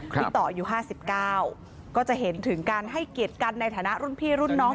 ครับบิ๊กต่ออายุห้าสิบเก้าก็จะเห็นถึงการให้เกียรติกันในฐานะรุ่นพี่รุ่นน้อง